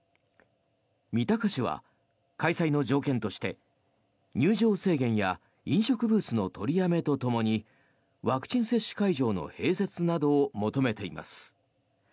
三鷹市は開催の条件として入場制限や飲食ブースの取りやめとともにワクチン接種会場の併設などを求めています。